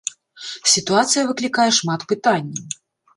Сітуацыя выклікае шмат пытанняў.